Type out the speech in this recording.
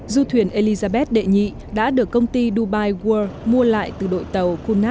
du thuyền elizabeth đệ nhị đã được công ty dubai world mua lại từ đội tàu kunad năm hai nghìn một mươi năm